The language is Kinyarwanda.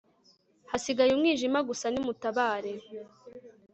Hasigaye umwijima gusa nimutabare